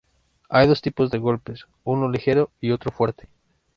Hay dos tipos de golpes, uno ligero y otro fuerte.